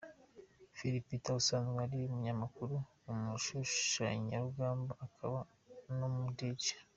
Phil Peter asanzwe ari umunyamakuru, umushyushyarugamba akaba n'umu Dj.